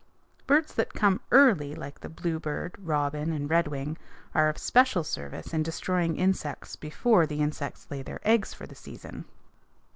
Birds that come early, like the bluebird, robin, and redwing, are of special service in destroying insects before the insects lay their eggs for the season.